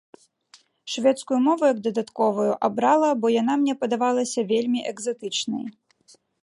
Шведскую мову як дадатковую абрала, бо яна мне падавалася вельмі экзатычнай.